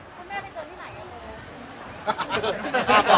พ่อแม่ไปเจอกันที่ไหน